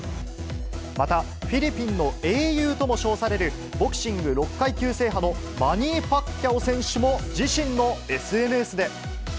また、フィリピンの英雄とも称される、ボクシング６階級制覇のマニー・パッキャオ選手も、自身のＳＮＳで。